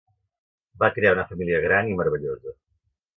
Va crear una família gran i meravellosa.